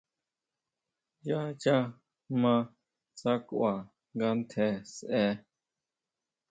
Yá ya ma sakʼua nga tjen sʼe.